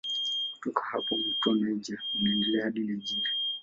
Kutoka hapa mto Niger unaendelea hadi Nigeria.